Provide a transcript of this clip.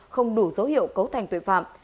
không đủ dấu hiệu cấu thành tội phạm